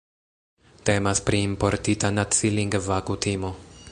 Temas pri importita nacilingva kutimo.